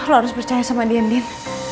lo harus percaya sama dian dien